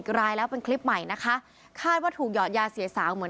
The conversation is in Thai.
น้ำมันเย็นอ่ะนี่นี่ไม่แสร์กันอะไรอย่างนี้เลยอือ